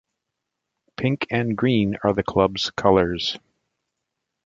Pink and green are the club's colours.